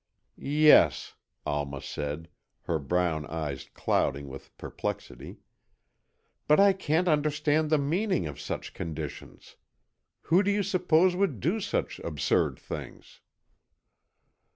"Yes," Alma said, her brown eyes clouding with perplexity. "But I can't understand the meaning of such conditions. Who do you suppose would do such absurd things?"